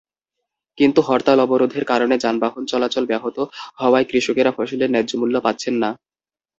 কিন্তু হরতাল-অবরোধের কারণে যানবাহন চলাচল ব্যাহত হওয়ায় কৃষকেরা ফসলের ন্যায্যমূল্য পাচ্ছেন না।